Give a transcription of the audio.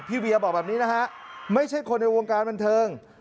เวียบอกแบบนี้นะฮะไม่ใช่คนในวงการบันเทิง